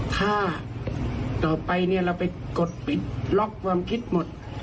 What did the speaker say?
ถ้าต่อไปเนี่ยเราไปกดปิดล็อกความคิดหมด